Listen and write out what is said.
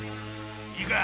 いいか